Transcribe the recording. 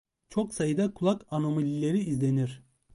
Çok sayıda kulak anomalileri izlenir.